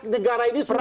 negara ini sudah